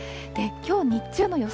きょう日中の予想